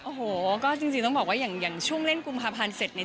โอ้โหก็จริงต้องบอกว่าอย่างช่วงเล่นกุมภาพันธ์เสร็จเนี่ย